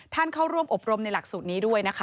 เข้าร่วมอบรมในหลักสูตรนี้ด้วยนะคะ